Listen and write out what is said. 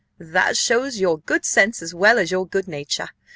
"That shows your good sense as well as your good nature.